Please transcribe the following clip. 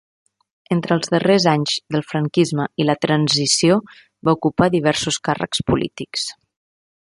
Entre els darrers anys del franquisme i la transició va ocupar diversos càrrecs polítics.